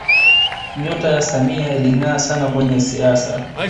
nyota ya samia ilingaa sana kwenye siasa